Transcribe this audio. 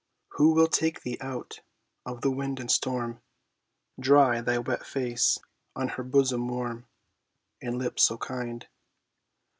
Who will take thee out of the wind and storm, Dry thy wet face on her bosom warm And lips so kind?